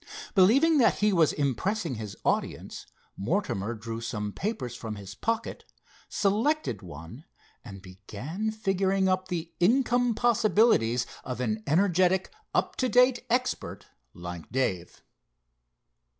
Believing that he was impressing his audience, Mortimer drew some papers from his pocket, selected one, and began figuring up the income possibilities of an energetic up to date expert like Dave.